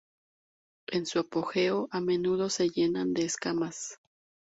En su apogeo, a menudo se llenan de escamas.